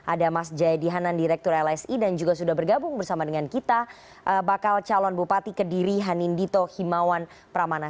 ada mas jayadi hanan direktur lsi dan juga sudah bergabung bersama dengan kita bakal calon bupati kediri hanin dito himawan pramana